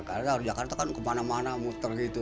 karena di jakarta kan kemana mana muter gitu